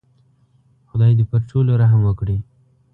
خدای دې پر ټولو رحم وکړي.